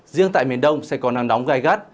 riêng tại miền đông sẽ có nắng nóng gai gắt